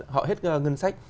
họ hết ngân sách